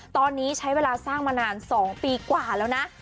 ตอนนี้ใช้เวลาสร้างมานาน๒ปีกว่าแล้วนะ